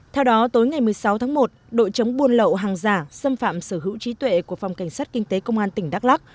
theo đó tối ngày một mươi sáu tháng một đội chống buôn lậu hàng giả xâm phạm sở hữu trí tuệ của phòng cảnh sát kinh tế công an tỉnh đắk lắc